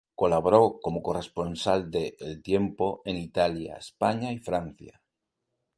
Colaboró como corresponsal de "El Tiempo" en Italia, España y Francia.